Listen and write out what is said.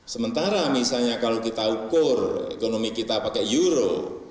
sementara misalnya kalau kita ukur ekonomi kita pakai euro